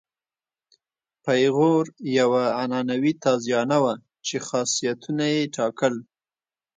پیغور یوه عنعنوي تازیانه وه چې خاصیتونه یې ټاکل.